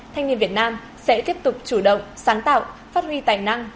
thanh niên việt nam sẽ tiếp tục chủ động sáng tạo phát huy tài năng